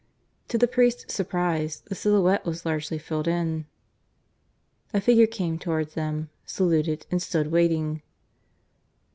To the priest's surprise the silhouette was largely filled in. A figure came towards them, saluted, and stood waiting.